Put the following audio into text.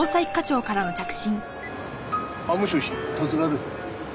あっもしもし十津川ですが。